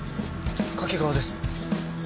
掛川です。